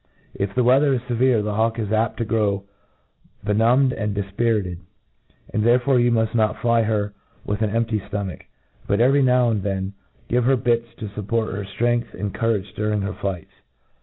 If the weather is fevere, the hawk is apt to grow benumbed and difpirit ed; and therefore you muft not then fly her with an empty ftomach, but every now and then give her bits to fupport her ftrength and courage during her flights.